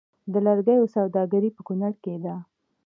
د لرګیو سوداګري په کنړ کې ده